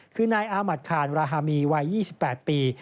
คือนายอามัติคานราฮามีวัย๒๘ปี